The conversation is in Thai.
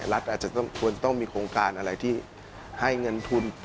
รัฐอาจจะควรต้องมีโครงการอะไรที่ให้เงินทุน